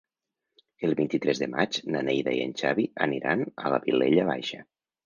El vint-i-tres de maig na Neida i en Xavi aniran a la Vilella Baixa.